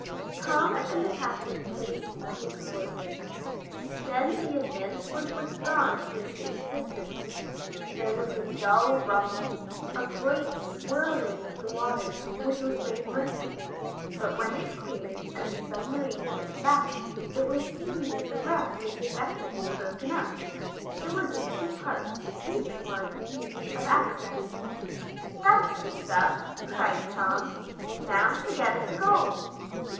Tom and the captain placed the explosive. Then the Advance was withdrawn to a safe distance. There was a dull rumble, a great swirling of the water, which was made murky; but when it cleared, and the submarine went back, it was seen that the wreck was effectively broken up. It was in two parts, each one easy of access. "That's the stuff!" cried Tom. "Now to get at the gold!"